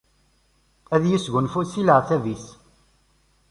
Ad yesgunfu si leɛtab-is.